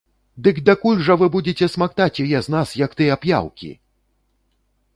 Дык дакуль жа вы будзеце смактаць яе з нас, як тыя п'яўкі!